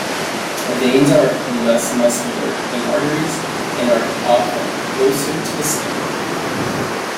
Veins are less muscular than arteries and are often closer to the skin.